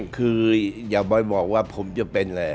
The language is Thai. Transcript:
คืออย่าไปบอกว่าผมจะเป็นอะไร